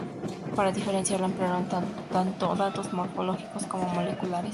Para diferenciarla emplearon tanto datos morfológicos como moleculares.